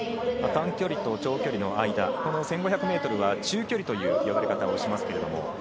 短距離と長距離の間、１５００ｍは中距離という呼び方をします。